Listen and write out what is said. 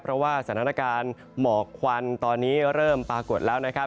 เพราะว่าสถานการณ์หมอกควันตอนนี้เริ่มปรากฏแล้วนะครับ